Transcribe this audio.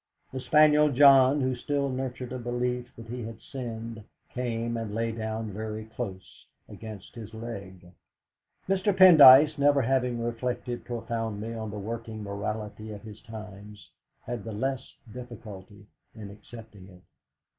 The spaniel John, who still nurtured a belief that he had sinned, came and lay down very close against his leg. Mr. Pendyce, never having reflected profoundly on the working morality of his times, had the less difficulty in accepting it.